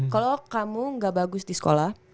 kalau kamu gak bagus di sekolah